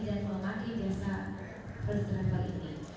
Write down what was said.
dan memakai jasa first travel ini